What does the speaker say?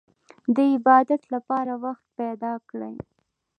د عبادت لپاره وخت پيدا کړئ.